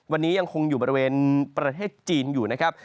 วันนี้ยังคงอยู่บริเวณประเทศจีนอยู่นะครับ